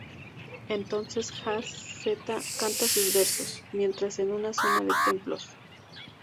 Entonces Jay-Z canta sus versos, mientras en una zona de templos.